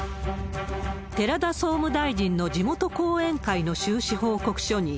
寺田総務大臣の地元後援会の収支報告書に、